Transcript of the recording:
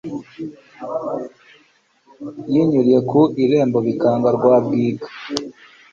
Yinyuriye ku irembo Bikanga rwabwiga